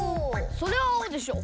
それはあおでしょ。